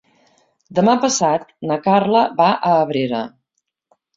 Demà passat na Carla va a Abrera.